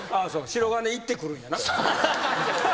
白金行ってくるんやな。